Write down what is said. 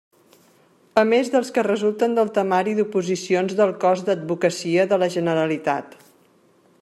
A més dels que resulten del temari d'oposicions del cos d'Advocacia de la Generalitat.